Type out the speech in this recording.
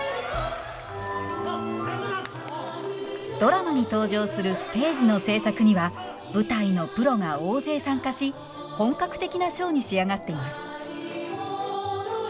ドラマに登場するステージの制作には舞台のプロが大勢参加し本格的なショーに仕上がっています。